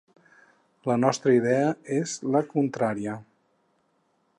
La nostra idea és la contrària.